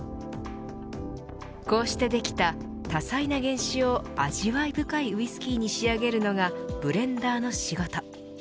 こうしてできた多彩な原酒を味わい深いウイスキーに仕上げるのがブレンダーの仕事。